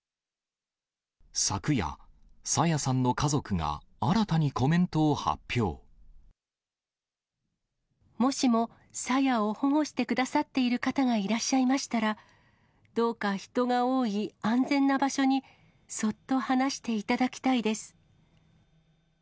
昨夜、朝芽さんの家族が新たもしも、朝芽を保護してくださっている方がいらっしゃいましたら、どうか人が多い安全な場所にそっと離していただきたいです。